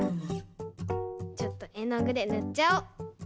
ちょっとえのぐでぬっちゃおう。